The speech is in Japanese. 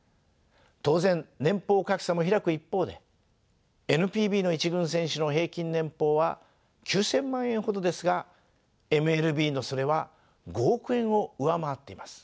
当然年俸格差も開く一方でＮＰＢの１軍選手の平均年俸は９，０００万円ほどですがＭＬＢのそれは５億円を上回っています。